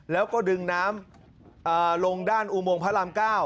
แล้วก็ดึงน้ำลงด้านอุโมงพระราม๙